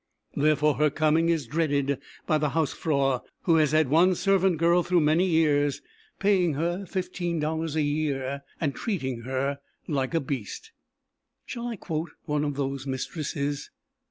Therefore, her coming is dreaded by the "Hausfrau" who has had one servant girl through many years, paying her fifteen dollars a year and treating her like a beast. Shall I quote one of those mistresses?